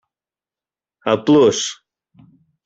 El Plus!